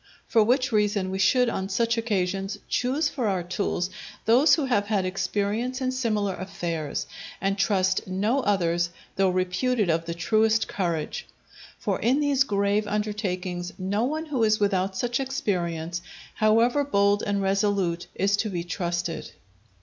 For which reason we should on such occasions choose for our tools those who have had experience in similar affairs, and trust no others though reputed of the truest courage. For in these grave undertakings, no one who is without such experience, however bold and resolute, is to be trusted.